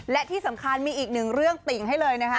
และที่สำคัญมีอีกหนึ่งเรื่องติ่งให้เลยนะคะ